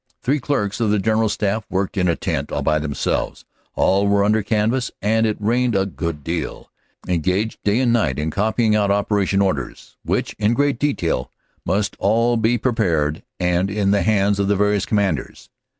Three clerks of the General Staff worked in a tent by themselves all were under canvas and it rained a good deal engaged day and night in copying out operation orders, which in great detail must all be prepared and in the hands of the various commanders.